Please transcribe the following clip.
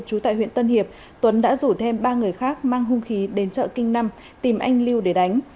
trú tại huyện tân hiệp tuấn đã rủ thêm ba người khác mang hung khí đến chợ kinh năm tìm anh lưu để đánh